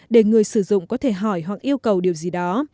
để người sử dụng có thể hỏi hoặc yêu cầu điều gì đó